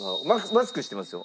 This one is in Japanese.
マスクしてますよ。